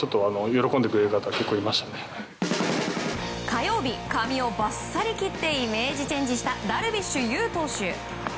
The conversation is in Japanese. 火曜日髪をバッサリ切ってイメージチェンジしたダルビッシュ有投手。